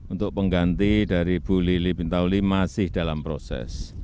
untuk pengganti dari bu lili pintauli masih dalam proses